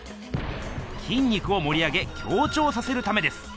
きん肉をもり上げ強ちょうさせるためです。